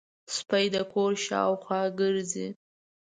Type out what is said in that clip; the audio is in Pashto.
سپي د کور شاوخوا ګرځي.